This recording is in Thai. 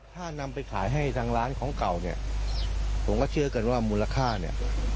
ถ้านำไปขายให้ทางร้านของเก่าเนี่ยผมก็เชื่อกันว่ามูลค่าเนี่ย